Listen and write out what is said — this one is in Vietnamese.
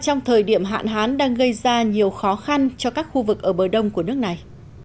trong thời điểm hạn hán đang gây ra nhiều khó khăn cho các khu vực ở bờ đông của nước này